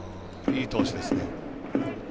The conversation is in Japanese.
いい投手ですね。